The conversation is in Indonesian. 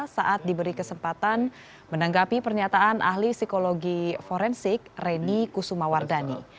saat diberi kesempatan menanggapi pernyataan ahli psikologi forensik reni kusumawardani